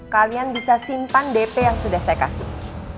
kalian bisa simpan dp yang sudah saya kasih